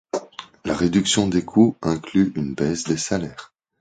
La réduction des coûts inclut une baisse des salaires.